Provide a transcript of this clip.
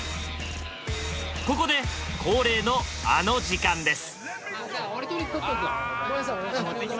ここで恒例のあの時間です！